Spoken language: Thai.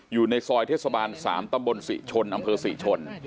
อยู่ในซอยเทศบาล๓ตำบลศรีชนอำเภอศรีชน